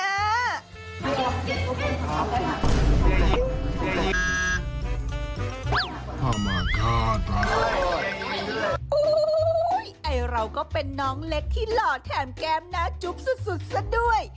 โอ้โหไอเราก็เป็นน้องเล็กที่หล่อแถมแก้มหน้าจุ๊บสุดซะด้วย